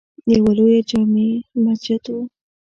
یوه لویه جامع مسجد وه.